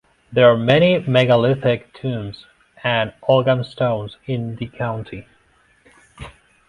There are many megalithic tombs and ogham stones in the county.